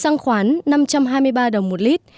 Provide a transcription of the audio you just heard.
sang khoán năm trăm hai mươi ba đồng một lít